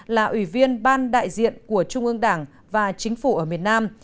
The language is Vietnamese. là ủy viên ban đại diện của trung ương đảng và chính phủ ở miền nam